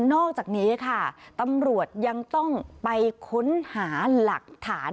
อกจากนี้ค่ะตำรวจยังต้องไปค้นหาหลักฐาน